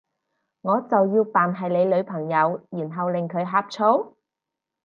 我就要扮係你女朋友，然後令佢呷醋？